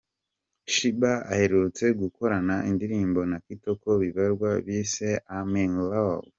Sheebah aherutse gukorana indirimbo na Kitoko Bibarwa bise ‘I Am In Love’.